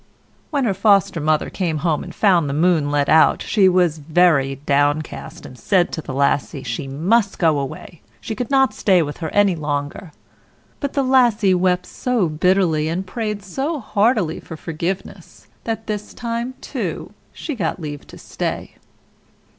] When her Foster mother came home and found the moon let out, she was very downcast, and said to the Lassie she must go away, she could not stay with her any longer. But the Lassie wept so bitterly, and prayed so heartily for forgiveness, that this time, too, she got leave to stay.